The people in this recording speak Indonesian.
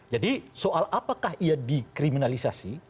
jadi soal apakah ia dikriminalisasi